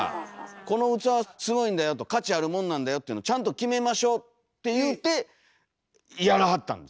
この器すごいんだよと価値あるもんなんだよっていうのちゃんと決めましょうって言うてやらはったんです。